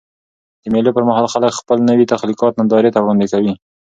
د مېلو پر مهال خلک خپل نوي تخلیقات نندارې ته وړاندي کوي.